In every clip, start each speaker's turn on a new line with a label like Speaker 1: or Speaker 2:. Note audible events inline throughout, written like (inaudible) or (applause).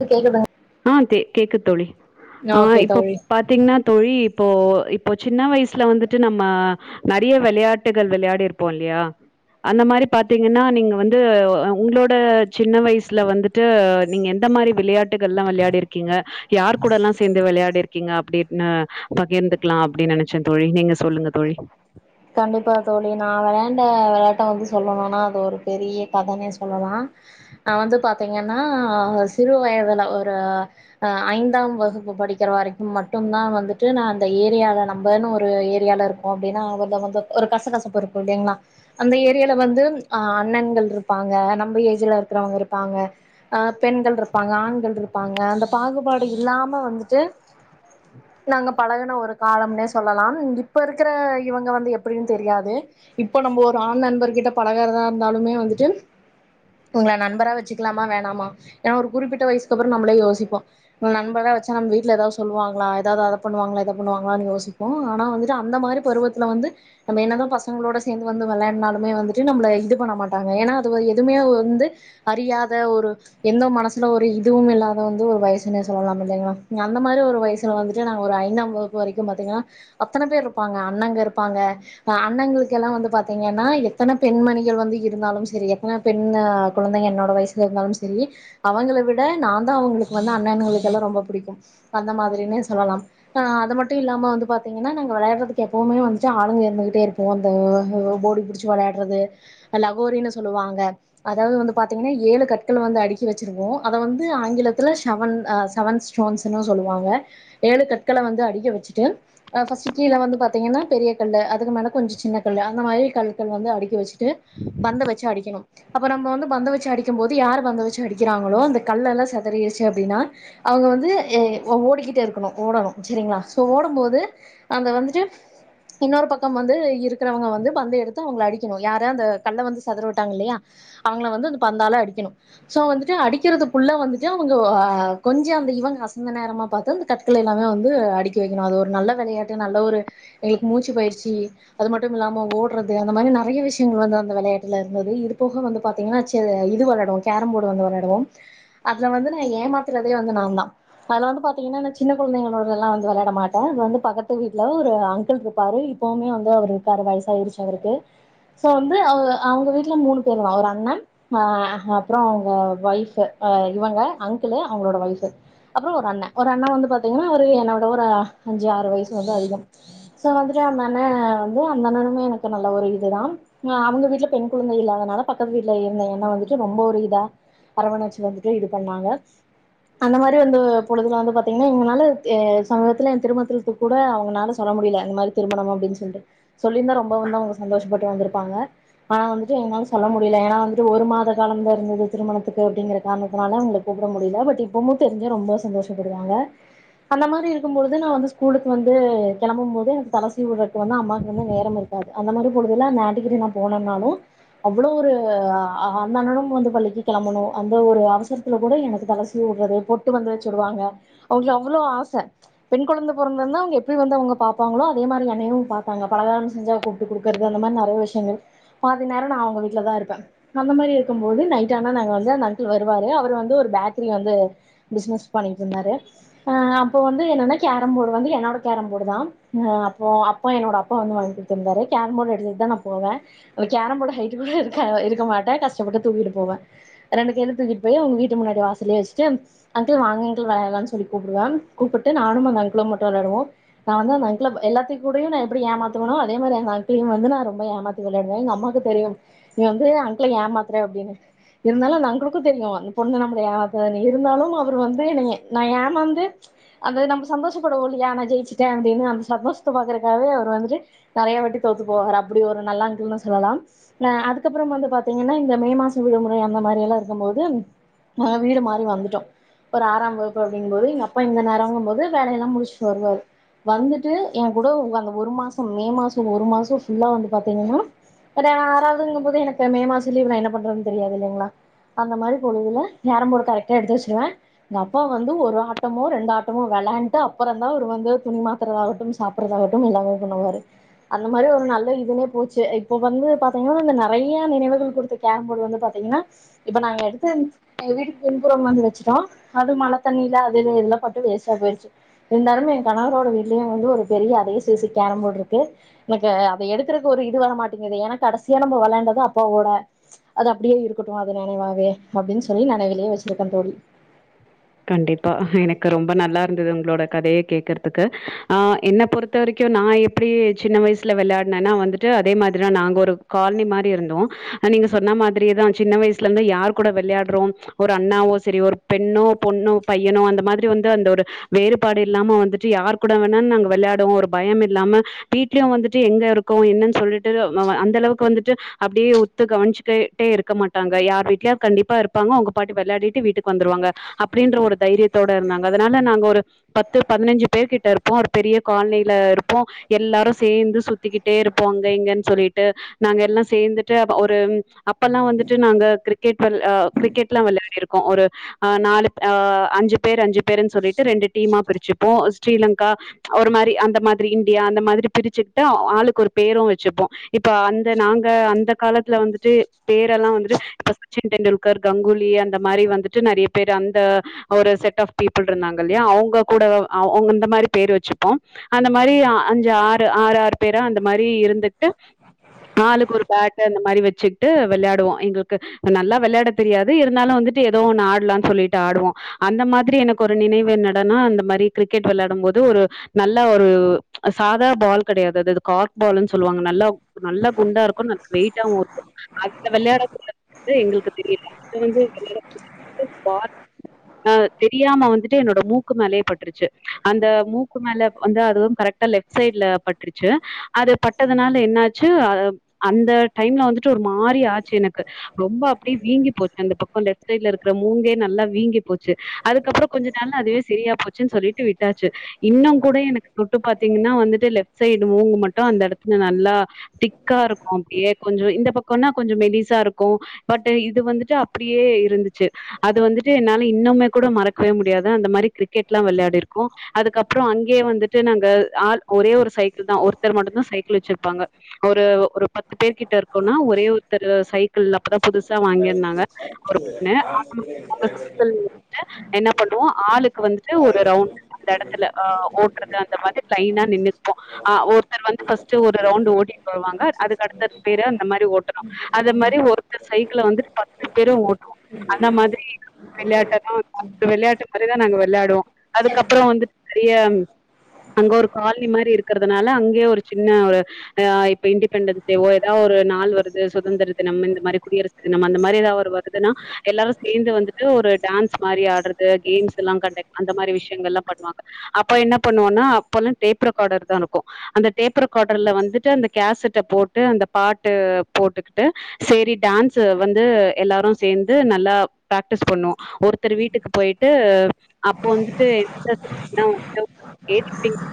Speaker 1: து கேக்குதுங்
Speaker 2: ஆ கேக்குத் தோழி ஆ
Speaker 1: ஓகே
Speaker 2: இப்ப
Speaker 1: தோழி
Speaker 2: பா தீங்கன்னா தோழி இப்போ இப்போ சின்ன வய்சுல வந்துட்டு நம்ம நறிய வெளையாட்டுகள் வெளையாடிருப்போ இல்லியா அந்த மாரி பாத்தீங்கன்னா நீங்க வந்து அ உங்களோட சின்ன வய்சுல வந்துட்டு நீங்க எந் தமாரி விளையாட்டுகள்லா வெளையாடிருக்கீங்க யார் கூடல்லா சேந்து வெளையாடிருக்கீங்க அப்டின்னு பகிர்ந்து குலாம் அப்டின் நெனச்சே தோழி நீங்க சொல்லுங்க தோழி
Speaker 1: கண்டிப்பா தோழி நா வெளாண்ட வெளையாட்ட வந்து சொல்லணுனா அது ஒரு பெரிய கதனே சொல்லலா நா வந்து பாத்தீங்கன்னா சிறு வய்துல ஒரு ஐந்தாம் வகுப்பு படிக்கிற வரைக்கு மட்டும்தா வந்துட்டு நா அந்த ஏரியால நம்பன்னு ஒரு ஏரியால இருக் அப்டின்னா ஒரு வ ஒரு கச கசபு இருக்கு இல்லிங்ளா அந்த ஏரியால வந்து ஆ அண்ணன்கள் இருப்பாங்க நம்ம ஏஜ்ல இருக்கறவங்க இருப்பாங்க ஆ பெண்கள் இருப்பாங்க ஆண்கள் இருப்பாங்க அந்த பாகுபாடு இல்லாம வந்துட்டு நாங்க பழகுன ஒரு காலம்னே சொல்லலா இப்ப இருக்குற இவுங்க வந்து எப்டின் தெரியாது இப்ப நம்ம ஒரு ஆண் நண்பர்கிட்ட பழகறதா இருந்தாலுமே வந்துட்டு உங்கள நண்பரா வெச்சுக்கலாம வேணாமா எனா ஒரு குறிப்பிட்ட வய்சுக்கு அப்பறோ நம்பளே யோசிப்போ இவ்ங் நண்பரா வெச்சா நம் வீட்ல எதாத் சொல்லுவாங்களா எதாது அத பண்ணுவாங்ளா இத பண்ணுவாங்களான் யோசிப்போ ஆனா வந்துட்டு அந்த மாரி பருவத்துல வந்து நம்ம என்னதா பசங்களோட சேந்து வந்து வெளையாட்னாலுமே வந்துட்டு நம்மள இது பண்ண மாட்டாங்க எனா அது ஒரு எதுமே வந்து அறியாத ஒரு எந்த மனசுல ஒரு இதுவு இல்லாத அத வந்து ஒரு வய்சுனே சொல்லலா இல்லிங்களா அந்த மாரி ஒரு வய்சில வந்துவிட்டு நாங்க ஒரு ஐந்தாம் வகுப்பு வரைக்கு பாத்திங்கன்னா அத்தன பேரு இருப்பாங்க அண்ணங்க இருப்பாங்க அண்ணங்களுகெல்லா வந்து பாத்தீங்கன்னா எத்தன பெண்மணிகள் வந்து இருந்தாலு செரி எத்தன பெண் குழந்தைங்க என்னோட வய்சுல இருந்தாலும் செரி அவங்கள விட நாதா அவுங்களுக் வந்து அண்ணனுங்களுக்கு எல்லா ரொம்ப புடிக்கு அந்த மாதிரினே சொல்லலா ஆ அது மட்டு இல்லாம வந்து பாத்தீங்கன்னா நாங்க விளையாட்றதுக்கு எப்பவுமே வந்து ஆளுங்க இருந்துகிட்டே இருப்போ அந்த ஒடி புடிச்சு வெளையாட்றது லகோரினு சொல்லுவாங்க அதாது வந்து பாத்தீங்கன்னா ஏழு கட்கள் வந்து அடுக்கி வெச்சிருவோ அத வந்து ஆங்கிலத்துல செவன் ஆ செவன் ஸ்டோன்ஸ்னு சொல்லுவாங்க ஏழு கட்கள வந்து அடிக்கி வெச்சுட்டு அ ஃபஸ்டு கீழ வந்து பாத்தீங்கன்னா பெரிய கல்லு அதுக்கு மேல கொஞ்சோ சின்ன கல்லு அந்த மாரி கல்கள் வந்து அடிக்கி வெச்சுட்டு பந்த வெச்சு அடிக்கணு அப்ப நம்ம வந்து பந்த வச்சு அடிக்கும்போது யார் பந்த வச்சு அடிக்கிறாங்களோ அந்த கல்லெலா செதறிச்சு அப்டின்னா அவுங்க வந்து எ ஓடிகிட்டே இருக்கணு ஓடணு செரிங்களா சோ ஓடம்போது அங்க வந்துட்டு இன்னொரு பக்கம் வந்து இருக்கிறவங்க வந்து பந்த எடுத்து அவங்கள அடிக்கணு யார அந்த கல்ல வந்து செதர உட்டாங்கலையா அவுங்கள வந்து அந்த பந்தால அடிக்கணு சோ வந்துட்டு அடிக்கிறதுக்குள்ள வந்துட்டு அவங்க அ கொஞ்ச அந்த இவுங்க அசந்த நேரமா பாத்து கற்கள எல்லாமே வந்து அடுக்கி வெக்கணு அது ஒரு நல்ல வெளையாட்டு நல்ல ஒரு எங்களுக்கு மூச்சு பயிற்சி அது மட்டும் இல்லாம ஓட்றது அந்த மாரி நறைய விஷயங்கள் வந்து அந்த வெளையாட்டுல இருந்தது இது போக வந்து பாத்தீங்கன்னா இது வெளையாடுவோ கேரம்போட்டு வந்து வெளையாடுவோ அதுல வந்து நா ஏமாத்துறதே வந்து நாதா அதுல வந்து பாத்தீங்கன்னா எல்லா சின்ன கொழந்தைங்களோடெல்லா வந்து வெளையாட மாட்டோ அது வந்து பக்கத்து வீட்ல ஒரு அங்க் குல் இருப்பாரு இப்பவுமே வந்து அவுரு இருக்காரு வயசாயிருச்சு அவுருக்கு சோ வந்து அவ அவுங்க வீட்ல மூணு போரு ஒரு அண்ண ஆ எஹ் அப்றோ அவ்ங்க வய்ஃப்ஃபு அ இவங்க அங்க்குளு அவுங்களோட வய்ஃப்ஃபு அப்றோ ஒர் அண்ண ஒரு அண்ண வந்து பாத்தீங்னா ஒரு என்னோட ஒர அஞ்சி ஆறு வயசு வந்து அதிகம் சோ வந்துட்டு அந்த அண்ண வந்து அந்த அண்ணனுமே எனக்கு நல்ல ஒரு இதுதாம் ஆ அவுங்க வீட்ல பெண் குழந்தை இல்லாதனால பக்கத்து வீட்ல இருந்த என்ன வந்துட்டு ரொம்ப ஒர் இதா அரவணச்சு வந்துட்டு இது பண்ணாங்க அந்த மாரி வந்து பொழுதுல வந்து பத் தீங்னா இவுங்கனாலத் ஏ சம்ருத்துல எ திருமணத்துல்க்கு கூட அவுங்கனால சொல்ல முடிலே இந்து மாரி திருமணபம் அப்டின் சொல்ட்டு சொல்லிர்ந்தா ரொம்ப வந்து அவங்க சந்தோஷபட்டு வந்துருப்பாங்க ஹா வந்துட்டு எங்களால் சொல்ல முடில ஏனா வந்துட்டு ஒரு மாத காலம்தா இருந்தது திருமணத்துக்கு அப்டிங்கற காரணத்துனால அவ்ங்ளுக் கூப்ட முடில பட் இப்பமு தெரிஞ்ச ரொம்ப சந்தோஷப்படுவாங்க அந்த மாரி இருக்கும் பொழுது நா வந்து ஸ்கூலுக் வந்து கெளம்பும் போது தல சீவுறக் வந்து அம்மாக் வந்து நேரம் இருக்காது அந்த மாரி பொழுதுல ந ஆன்ட்டிகிட்ட நா போனுனாலு அவ்வுளோ ஒரு ஆ ஆஹா அந்த அண்ணனும் வந்து பள்ளிக்கி கெளம்பணு அந்த ஒரு அவசரு ல கூட எனக்கு தல சீவ் உட்றது பொட்டு வந்து வச் உடுவாங்க ஓகே அவ்வுளோ ஆச பெண் கொழந்த பொறந்துர்ந்தா அவுங்க எப்டி வந்து அவுங்க பாப்பாங்களோ அ அதே மாரி என்னையு பாப்பாங்க பலகாரம் செஞ்சா கூப்ட்டு குடுக்கற்து அந்த மாரி நறய விஷ்யங்கள் பாதி நேரோ நா அவ்ங்க வீட்ல தா இருப்ப அந்த மாரி இருக்கும் போது நைட்டானா நாங்க வந்து அந்த அங்கள் வருவாரு அவரு வந்து ஒரு பேத்ரி வந்து பிசினஸ் பண்ணிட்ருந்தாரு ஆ அப்போ வந்து என்னன்னா கேரம் போடு வந்து என்னோட கேரம் போடு தா ஹ அப்போ அப்போ என்னோட அப்பா வந்து வாய் குடுத்துருந்தாரு கேரம் போட் எடுத்துட் தா நா போவே உ கேரம் போடு ஹைட்டு கூட இருக்கா இருக்க மாட்டா கஷ்டப்பட்டு தூக்கிட்டு போவே ரெண்டு கைல தூக்கிட் போயி அவ்ங்க வீட்டு முன்னாடி வாசல்லே வச்ட்டும் அங்குள் வாங்கங்கள் வெளையாலான் சொல்லி கூப்டுவான் கூப்புட்டு நானும் அந் அங்களும் மட்டு வெளாடுவோம் நா வந்து அந்த அங் ளவ் எல்லாத்தி கூடயு நா எப்டி ஏமாத்துவனோ அதே மாரி அந்த அங்களையும் வந்து நா ரொம்ப ஏமாத்தி வெளாடுவே எங் அம்மாக்கு தெரியும் நீ வந்து அங்கிள ஏமாத்துறே அப்டின்னு இருந்தாலு அந்த அங்குளுக்கு தெரியு இந் பொண்ணு நம்பள ஏ ஆத்த னி இருந்தாலும் அவரு வந்து நீய நா ஏமாந்து அது நம்ப சந்தோஷப்படுவோ இல்லியா நா ஜெயிச்சிட்டே அப்டின்னம் சந்தோஷ்த்த பாக்கறக்காகவே அவர் வந்துட்டு நெறையா வாட்டி தோத்து போஹரா அப்டி ஒரு நல்ல அங்குள்னு சொல்லலாம் ல அதுக்கப்பறம் வந்து பாத்தீங்கன்னா இந்த மே மாசு விடுமுறை அந்த மாரி எல்லா இருக்கும்போதுன் நா வீட மாரி வந்துட்டோ பர் ஆறாம் வகுப்பு அப்டிங்கும்போது எங்க அப்பா இந்த நெரங்கும் போது வேலையெல்லா முடிஷ் வருவாரு வந்துட் ட்டு எ கூட உ அந்த ஒரு மாசம் மே மாசோ ஒரு மாசோ ஃபுல்லா வந்து பாத்தீங்கன்னா பட ஆறாவ்துங்கும்போது எனக்கு மே மாச லீவ்ல நா என்ன பண்றன் தெரியாது இல்லைங்களா அந்த மாரி பொழுதுல நேரம் போடு கரக்ட்டா எடுத்து வச்சிருவே நா அப்பா வந்து ஒரு ஆட்டமோ ரெண்டு ஆட்டமோ வெளாண்ட்டு அப்பறந்தா அவர் வந்து துணி மாத் த்துறாகட்டும் சாப்புறதாகட்டும் எல்லாமே பண்ணுவாரு அந்த மாரி ஒரு நல்ல இதுமே போச்சு இப்போ வந்து பாத்தீங்கன்னா அந்த நறையா நெனைவுகள் குடுத்தெக் கேரம் போடு வந்து பாத்தீங்கன்னா இப்ப நாங்க எடுத்துன் எங்க வீட்டுக் பின்புறம் வந்து வச்சிட்டா ஹது மழ தண்ணில அதுல்லு எல்லா பட்டு வேஸ்ட்டா போய்ர்ச்சு இந்தாலும் என் கணவரோட வீட் டு உங்ளு ஒரு பெரிய அதே சைசு கேரம் போட்ருக்கு எனக்கு அத எடுக்கறக் ஒரு இது வரமாட்டேங்கிது ஏனா கடசியா நம்ம வெளாயாண்டது அப்பாவோட அது அப்டியே இருக்கட்டு அது நெனைவாவே அப்டின் சொல்லி நெனைவிலே வச்சிருக்கன் தோழி
Speaker 2: கண்டிப்பா எனக்கு ரொம்ப நல்லார்ந்தது உங்களோட கதைய கேக்கற்த்துக்கு ஆ என்ன பொரு தரிக்யு நா எப்டி சின்ன வய்சுல வெளாட்னான்னா வந்துட்டு அதே மாத்ரிஅ நாங்கொரு கால்னி மாரி இருந்தோ அ நீங்க சொன்ன மாத்ரியேதா சின்ன வய்சுலந்து யார் கூட வெள்யாட்றோ ஒர் அண்ணாவோ சரி ஒர் பெண்ணோ பொண்ணோ பையனோ அந்த மாதிரி வந்து அந்த ஒரு வேறுபாடு இல்லாம வந்துட்டு யார் கூட வேணா நாங்க வெளையாடுவோ ஒரு பயம் இல்லாம வீட்லயு வந்துட்டு எங்க இருக்கோ என்னன்னு சொல்லிட்டு அந்த அளவுக்கு வந்துட்டு அப்டியே உத்து கவனிச்சிக்க டே இருக்க மாட்டாங்க யார் வீட்லயா கண்டிப்பா இருப்பாங்க உங்க பாட்டு வெளையாடிட்டு வீட்டுக் வந்துருவாங்க அப்டின்ற ஒரு தைரியத்தோட இருந்தாங்க அதனால நாங்க ஒரு பத்து பதினஞ்சு பேர் கிட்ட இருப்போ ஒரு பெரிய காலனியில இருப்போ எல்லாரு சேர்ந்து சு த்திக்கிட்டே இருப்போ அங்க இங்கன்னு சொல்லிட்டு நாங்க எல்லா சேந்துட்டு அப்ப ஒரு அப்பெல்லா வந்துட்டு நாங்க கிரிக்கெட் வெல் அ கிரிக்கெட் எல்லா விளையாடிருக்கோ ஒரு அ நாலு அஞ்சு பேர் அஞ்சு பேர்ன்னு சொல்லிட்டு ரெண்டு டீமா பிரிச்சுப்போ ஸ்ரீலங்கா ஒரு மாரி அந்த மாதிரி இந்தியா அந்த மாதிரி பிரிச்சிட்டு ஆளுக்கு ஒரு பேரு வச்சுப்போ இப்ப அந்த நாங்க அந்த காலத்துல வந்துட்டு பேரெல்லா வந்துட்டு இப்ப சச்சின் டெண்டுல் கர் கங்குலி அந்த மாரி வந்துட்டு நெறைய பேர் அந்த ஒரு செட் ஆஃப் பீப்புள் இருந்தாங்க இல்லையா அவுங்க கூட அவுங்க இந்த மாரி பேரு வச்சுப்போ அந்த மாரி அ அஞ்சு ஆறு ஆறு ஆறு பேரா அந்த மாரி இருந்துட்டு ஆளுக்கு ஒரு பேட்டு அந்த மாதிரி வச்சிக்ட்டு வெளையாடுவோ எங்களுக்கு நல்லா வெளையாட தெரியாது இருந்தாலு வந்துட்டு ஏதோ ஒன்னு ஆடலான் சொல்லிட்டு ஆடுவோ அந்த மாரி எனக்கு ஒரு நினைவு என்னடானா அந்த மாரி கிரிக்கெட் விளையாடும் போது ஒரு நல்ல ஒரு சாதா பால் கெடையாது அதுது கா பாலுன்னு சொல்லுவாங்க நல்லா நல்லா குண்டா இருக்கு ந வெயிட்டாவு இருக்கு அதுல விளையாட து எங்களுக்கு தெரியல அது வந்து (inaudible) து பாத் அ தெரியாம வந்துட்டு என்னோட மூக்கு மேலேயே பட்டுருச்சு அந்த மூக்கு மேல வந்து அதுவு கரெக்டா லெஃப் சைட்ல பட்டுருச்சு அது பட்டதுனால என்னாச்சு அ அந்த டைம்ல வந்துட்டு ஒரு மாரி ஆச்சு எனக்கு ரொம்ப அப்டியே வீங்கி போச் அந்த பக்ககோ லேஃப் சைட்ல இருக்கிற மூங்கே நல்லா வீங்கி போச்சு அதுக்கப்புற கொஞ்ச நாள் அதுவே செரியா போச்சுன் சொல்லிட்டு விட்டாச்சு இன்னு கூட எனக்கு தொட்டு பாத்தீங்கன்னா வந்துட்டு லெஃப்ட் சைடு மூங்கு மட்டு அந்த எடத்துல நல்லா திக்கா இருக்கு அப்டியே கொஞ்சோ இந்த பக்கோனா கொஞ்சோ மெலிசா இருக்கு பட்டு இது வந்துட்டு அப்டியே ந்துச்சு அது வந்துட்டு என்னால இன்னுமே கூட மறக்கவே முடியாது அந்த மாரி கிரிக்கெட்லா வெளாடிருக்கோ அதுக்கப்றோ அங்கேயே வந்துட்டு நாங்க ஆள் ஒரே ஒரு சைக்கிள் தா ஒருத்தர் மட்டுதா சைக்கிள் வச்சிருப்பாங்க ஒரு ஒரு பத்து பேர் கிட்ட இருக் கோனா ஒரே ஒருத்தர் சைக்கிள் அப்பதா புதுசா வாங்கிருந்தாங்க ஒரு பொண்ணு
Speaker 1: ஆ
Speaker 2: அவங்க அவங்க
Speaker 1: (inaudible)
Speaker 2: (inaudible) என்ன பண்ணுவோ ஆளுக்கு வந்துட்டு ஒரு ரவுண்டு அந்த எடத்துல அ ஓட்டறது அந்த மாரி லைனா நின்னுப்போ ஆ ஒருத்தர் வந்து ஃபஸ்ட்டு ஒரு ரவுண்டு ஓட்டிகிட்டு வருவாங்க அதுக்கு அடுத்தத் பேரு அந்த மாரி ஓட்டணு அது மாரி ஒரு த்தர் சைக்கிள வந்து பத்து பேரு ஓட்டுவோ அந்த மாரி விளையாட்டா தா இருப்போ விளையாட்டு மாரிதா நாங்க விளையாடுவோ அதுக்கப்பறோ வந்துட்டு நெறைய அங்க ஒரு காலனி மாரி இருக்கிறதுனால அங்கயே ஒரு சின்ன ஒரு ஆ இப்ப இண்டிபெண்டன்ஸ் டேவோ ஏதாவது ஒரு நாள் வருது சுதந்திரத்தினம் இந்த மாரி குடியரசு நம்ம அந்த மாரி ஏதாவது ஒரு வருதுனா எல்லாரு சேந்து வந்துட்டு ஒரு டான்ஸ் மாரி ஆடறது கேம்ஸ்லா கண்டக்ட் அந்த மாரி விஷயங்கள்லா பண்வாங்க அப்ப என்ன பண்ணுவோனா அப்பல்லா டேப் ரெக்கார்டர் தா இருக்கு அந்த டேப்ரெகார்டர்ல வந்துட்டு அந்த கேசட்ட போட்டு அந்த பாட்டு போட்டுக்கிட்டு செரி டான்ஸ்ஸு வந்து எல்லாரு சேந் து நல்லா ப்ராக்டிஸ் பண்வோ ஒருத்தர் வீட்டுக்கு போய்ட்டு அப்ப வந்துட்டு (inaudible) (inaudible)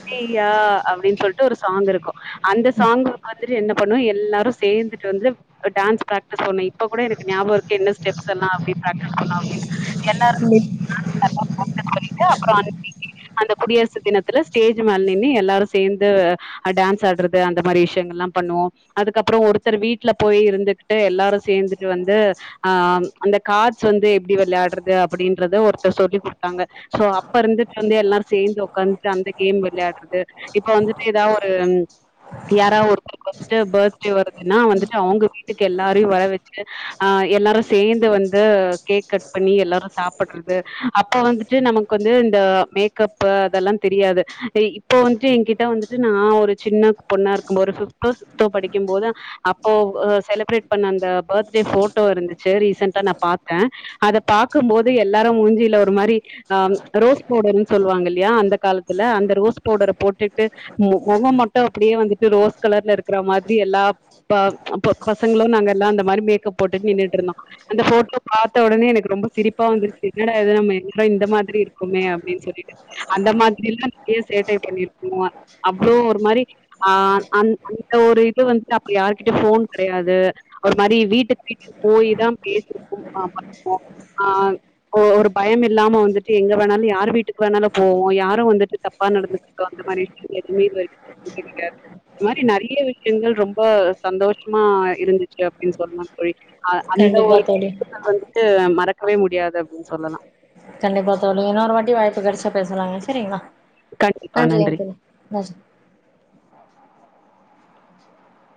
Speaker 2: (unintelligible) அப்டின்னு சொல்லிட்டு ஒரு சாங் இருக்கு அந்த சாங்குக்கு வந்துட்டு என்ன பண்ணுவ எல்லாரு சேந்துட்டு வந்து அ டான்ஸ்ஸு ப்ராக்டிஸ் பண்ணு இப்ப கூட எனக்கு ஞாபருக்கு என்ன ஸ்டெப்ஸ்யெல்லா அப்டி ப்ராக்டிஸ் பண்ணொ அப்டின்னு எல்லாரு போய் டான்ஸ் நல்லா ப்ராக்டீஸ் பண்ணிட்டு அப்றொ அன்னைக்கி அந்த குடியரசு தினத்துல ஸ்டேஜ் மேல நின்னு எல்லாரு சேந்து அ டான்ஸ்ஸு ஆட்றது அந்த மாரி விஷ்யங்கள்லா பண்ணுவோ அதுக்கப்றொ ஒருத்தர் வீட்ல போய் இருந்துகிட்டு எல்லாரு சேந்துட்டு வந்து ஆ அந்த காட்ஸ்ஸு வந்து எப்டி வெளையாடறது அப்டின்றத ஒருத்தர் சொல்லி குடுத்தாங்க சோ அப்ப இருந்துட்டு வந்து எல்லாரு சேந்து ஒக்காந்துட்டு அந்த கேம் வெளையாடுறது இப்ப வந்துட்டு ஏதாவு ஒரு யாரா ஒருத்த ருக்கு வந்துட்டு பர்த்டே வருதுனா வந்துட்டு அவுங்க வீட்டுக்கு எல்லாரையு வர வச்சு ஆ எல்லாரு சேந்து வந்து கேக் கட் பண்ணி எல்லாரு சாப்டறது அப்ப வந்துட்டு நமக்கு வந்து இந்த மே கப்பு அதெல்லா தெரியாது இப்போ வந்துட்டு எங்கிட்ட வந்துட்டு நா ஒரு சின்ன பொண்ணாருக்குபோ ஒரு (unintelligible) தோ படிக்கு போது அப்போ ஒ செலப்ரேட் பண்ண அந்த பர்த்டே போட்டோ இருந்துச்சு ரீசன்டா நா பாத்த அத பாக்குபோது எல்லாரு மூஞ்சில ஒரு மாரி அ ரோஸ் பவுடர்ன்னு சொல்லுவாங்க இல்லயா அந்த காலத்துல அந்த ரோஸ் பவுடர போட்டுட்டு மொ மொக மட்டு அப்டியே வந்துட்டு ரோஸ் கலர்ல இருக்கற மாதிரி எல்லா ப அப்ப பசங்களு நாங்க எல்லா அந்த மாரி மேக்கப் போட்டுட்டு நின்னுட்டுருந்தோ அந்த போட்டோ பாத்த ஒடனே எனக்கு ரொம்ப சிரிப்பா வந்துருச்சு என்னடா இது நம்ம என்னடா இந்த மாதிரி இருக்குமே அப்டின் சொல்லிட்டு அந்த மாரில்லா நெறய சேட்டய பண்ணிருந்தோ அப்பறொ ஒரு மாரி ஆ அந் அந்த ஒரு இது வந்துட்டு அப்ப யாருகிட்யு ஃபோன் கெடையாது ஒரு மாரி வீட்டுக்கு வீட்டுக்கு போய் தா பேசி (inaudible) ஆ ஒ ஒரு பயமில்லாம வந்துட்டு எங்க வேணாலு யார் வீட்டுக்கு வேணாலு போவோ யார் (unintelligible) வந்துட்டு தப்பா நடந்துக்கிட்டோ அந்தமாரி விஷ்யோ எதுமே (inaudible) கெடையாது இது மாரி நெறைய விஷ்யங்கள் ரொம்ப சந்தோஷமா இருந்துச்சு சி அப்டின் சொல்லலா தோழி அ அந்த
Speaker 1: கண்டிப்பா
Speaker 2: ஒரு
Speaker 1: தோழி
Speaker 2: விஷ்யத்த வந்துட்டு மறக்கவே முடியாது அப்டின் சொல்லலா
Speaker 1: கண்டிப்பா தோழி இன்னொரு வாட்டி வாய்ப்பு கெடைச்சா பேசலாங்க சரிங்களா
Speaker 2: கண்டிப்பா நன்றி.
Speaker 1: நன்றியெங் தோழி (unintelligible)